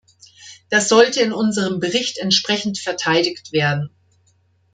Das sollte in unserem Bericht entsprechend verteidigt werden.